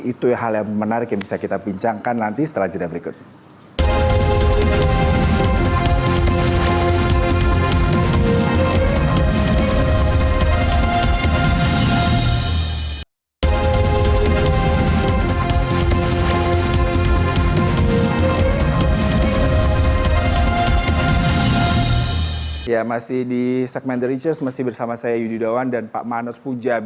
itu hal yang menarik yang bisa kita bincangkan nanti setelah cerita berikut